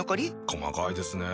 細かいですね。